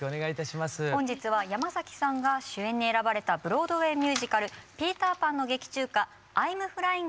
本日は山さんが主演に選ばれたブロードウェイミュージカル「ピーター・パン」の劇中歌「アイム・フライング」を歌って頂きます。